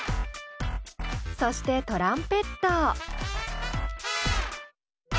そしてトランペット。